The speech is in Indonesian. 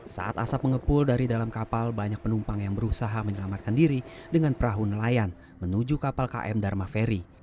saat asap mengepul dari dalam kapal banyak penumpang yang berusaha menyelamatkan diri dengan perahu nelayan menuju kapal km dharma ferry